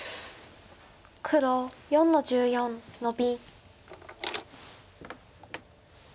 黒４の十四ノビ。